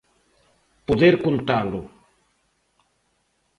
Poder contalo.